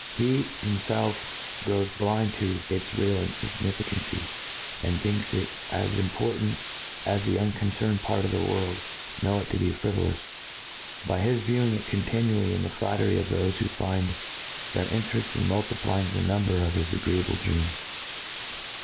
He himfelf grows blind to its real infignificancy, and thinks it as import ant as the unconcerned part oi the world know it ta be frivolous, by his viewing it continually in the flattery of thofe who find their interefl: in multiplying the number of his agreeable dreaips.